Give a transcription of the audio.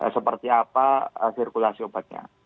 seperti apa sirkulasi obatnya